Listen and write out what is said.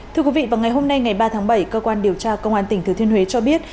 thưa quý vị vào ngày hôm nay ngày ba tháng bảy cơ quan điều tra công an tỉnh thừa thiên huế cho biết